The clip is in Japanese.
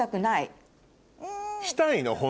したいの？